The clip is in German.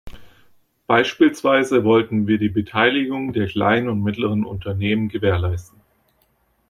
Beispielsweise wollten wir die Beteiligung der kleinen und mittleren Unternehmen gewährleisten.